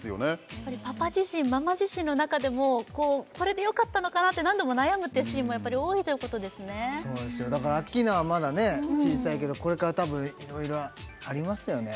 やっぱりパパ自身ママ自身の中でもこれでよかったのかなって何度も悩むっていうシーンも多いということですねそうなんですよだからアッキーナはまだ小さいけどこれからたぶんいろいろありますよね